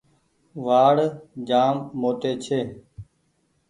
وآڙ جآم موٽي ڇي ۔